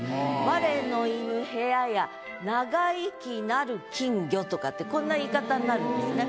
「我のいぬ部屋や長生きなる金魚」とかってこんな言い方になるんですね。